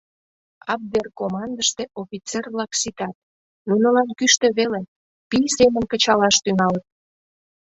Абверкомандыште офицер-влак ситат, нунылан кӱштӧ веле, пий семын кычалаш тӱҥалыт.